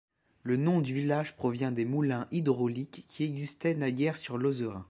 Le nom du village provient des moulins hydrauliques qui existaient naguère sur l'Ozerain.